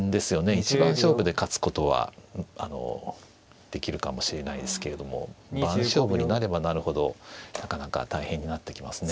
一番勝負で勝つことはあのできるかもしれないですけれども番勝負になればなるほどなかなか大変になってきますね。